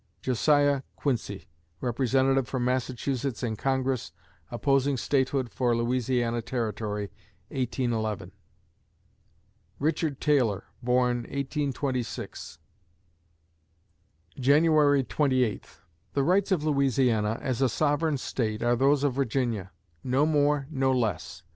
JOSIAH QUINCY (Representative from Massachusetts in Congress, opposing statehood for Louisiana Territory, 1811) Richard Taylor born, 1826 January Twenty Eighth The rights of Louisiana as a sovereign State are those of Virginia; no more, no less.